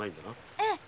ええ。